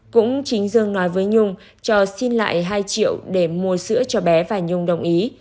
cũng chính dương nói với nhung cho xin lại hai triệu để mua sữa cho bé và nhung đồng ý